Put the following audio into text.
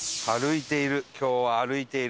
歩いている。